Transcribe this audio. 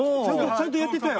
ちゃんとやってたよ。